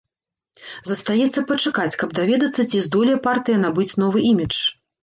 Застаецца пачакаць, каб даведацца, ці здолее партыя набыць новы імідж.